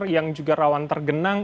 yang juga rawan tergenang